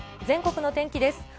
全国の天気です。